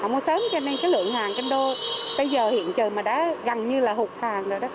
mua sớm cho nên cái lượng hàng trên đô bây giờ hiện trường mà đã gần như là hụt hàng rồi đó